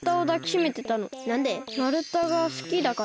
まるたがすきだから？